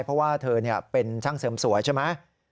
เพราะว่าเธอเป็นช่างเสริมสวยใช่ไหม